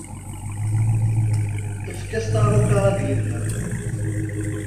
Efk-as taruka ad yellem.